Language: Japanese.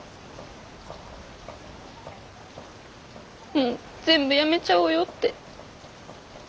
もう全部やめちゃおうよって。